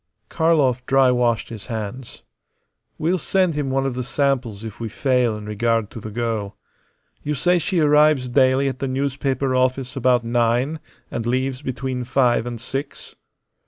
Karlov dry washed his hands. "We'll send him one of the samples if we fail in regard to the girl. You say she arrives daily at the newspaper office about nine and leaves between five and six?"